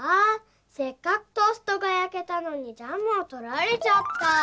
せっかくトーストがやけたのにジャムをとられちゃった。